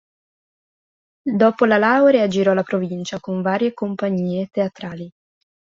Dopo la laurea girò la provincia con varie compagnie teatrali.